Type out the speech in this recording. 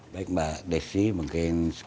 baik mbak desy mungkin